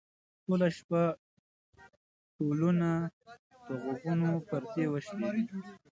ټوله شپه ډولونه؛ د غوږونو پردې وشلېدې.